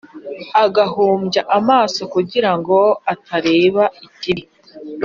agahumbya amaso kugira ngo atareba ikibi.